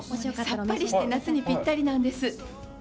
さっぱりして夏にぴったりなんです。